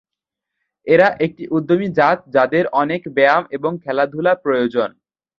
এরা একটি উদ্যমী জাত যাদের অনেক ব্যায়াম এবং খেলাধুলা প্রয়োজন।